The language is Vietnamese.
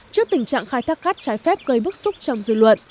trước tình trạng khai thác cát trái phép gây bức xúc trong dư luận